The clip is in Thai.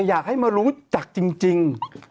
อยากให้มารู้จักจริง